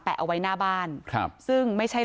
แปะเอาไว้หน้าบ้านซึ่งไม่ใช่